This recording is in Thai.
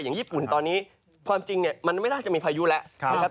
อย่างญี่ปุ่นตอนนี้ความจริงเนี่ยมันไม่น่าจะมีพายุแล้วนะครับ